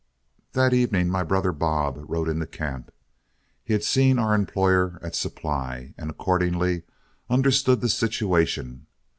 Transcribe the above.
That evening my brother Bob rode into camp. He had seen our employer at Supply, and accordingly understood the situation.